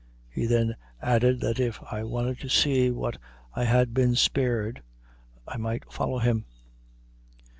He then added that if I wanted to see what I had been spared, I might follow him.